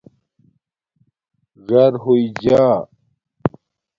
ژَر ہوئ جا